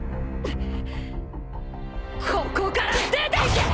ここから出ていけ！